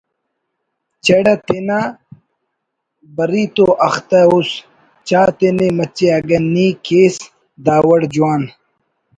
چڑہ تینا بَری تو اختہ اُس چا تینے مچے اگہ نی کیس دا وڑ جوان